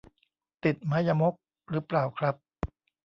ติดไม้ยมกหรือเปล่าครับ